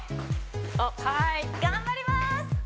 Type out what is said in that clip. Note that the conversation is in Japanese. はーい頑張ります